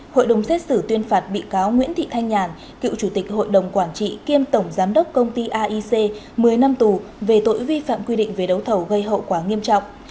hội đồng xét xử tuyên phạt bị cáo nguyễn thị thanh nhàn cựu chủ tịch hội đồng quản trị kiêm tổng giám đốc công ty aic một mươi năm tù về tội vi phạm quy định về đấu thầu gây hậu quả nghiêm trọng